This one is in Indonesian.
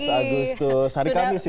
tujuh belas agustus hari kami sih